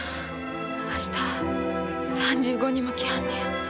明日３５人も来はんねん。